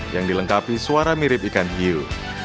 yang dilengkapi suara mirip ikan hiu